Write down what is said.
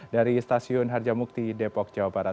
dari stasiun harjamukti depok jawa barat